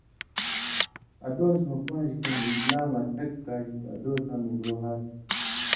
ادُوس مہ پان٘ژ کمہۡ اسلام اَڅھَک کالیۡ تھُو(ادُوساں مکروہات)